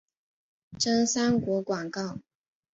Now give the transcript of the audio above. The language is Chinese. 真三国广告。